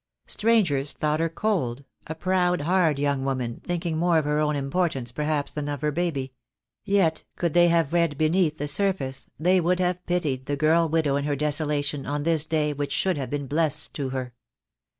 Strangers thought her cold, a proud, hard young woman, thinking more of her own importance, perhaps, than of her baby; yet could they have read beneath the surface they would have pitied the girl widow in her desolation on this day which should have been blessed to her.